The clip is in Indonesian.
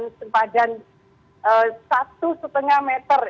dan sempadan satu lima meter